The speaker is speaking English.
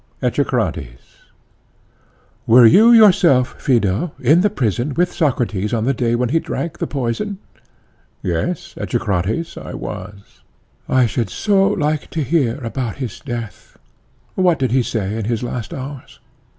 ECHECRATES: Were you yourself, Phaedo, in the prison with Socrates on the day when he drank the poison? PHAEDO: Yes, Echecrates, I was. ECHECRATES: I should so like to hear about his death. What did he say in his last hours?